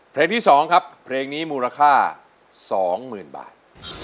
เพลงที่๒ครับเพลงนี้มูลค่า๒๐๐๐บาท